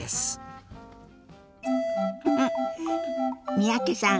三宅さん